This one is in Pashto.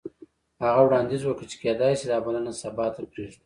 هغې وړاندیز وکړ چې کیدای شي دا بلنه سبا ته پریږدو